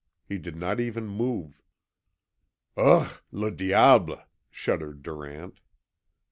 He did not even move. "UGH! LE DIABLE!" shuddered Durant.